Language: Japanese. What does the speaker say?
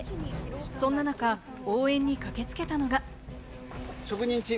そんな中、応援に駆けつけたのが。